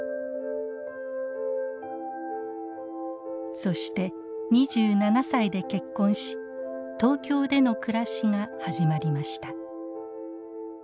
そして２７歳で結婚し東京での暮らしが始まりました。